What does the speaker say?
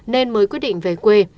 nên mới quyết định về quê